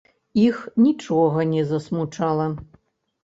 Іх нічога не засмучала!